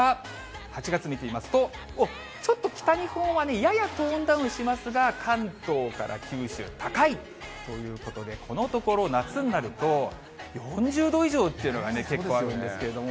８月見てみますと、おっ、ちょっと北日本はね、ややトーンダウンしますが、関東から九州、高いということで、このところ夏になると、４０度以上っていうのが結構あるんですけど。